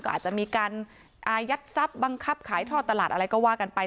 ก็อาจจะมีการอายัดทรัพย์บังคับขายท่อตลาดอะไรก็ว่ากันไป